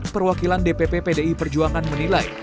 perwakilan dpp pdi perjuangan menilai